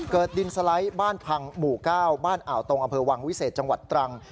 ดินสไลด์บ้านพังหมู่๙บ้านอ่าวตรงอำเภอวังวิเศษจังหวัดตรัง